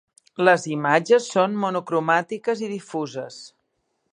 Les imatges són monocromàtiques i difuses.